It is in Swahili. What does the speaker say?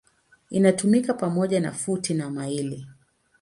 Inatumika pamoja na futi na maili.